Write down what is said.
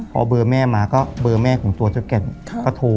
พอเบอร์แม่มาก็เบอร์แม่ของตัวเจ้าแก่นก็โทร